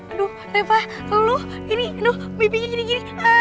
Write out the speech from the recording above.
aduh reva lo ini aduh bibinya gini gini